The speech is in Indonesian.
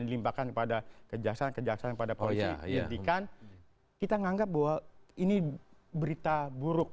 dilimpahkan kepada kejaksaan kejaksaan pada polisi hentikan kita menganggap bahwa ini berita buruk